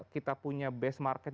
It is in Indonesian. kita punya base market